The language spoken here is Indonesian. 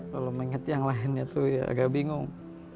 kalau mengenai yang lainnya tuh ya agak bingung